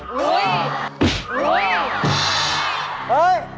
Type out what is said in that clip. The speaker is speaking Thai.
หลุยหลุยหลุย